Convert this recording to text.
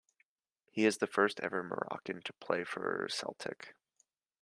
He is the first ever Moroccan to play for Celtic.